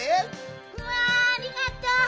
うわありがとう。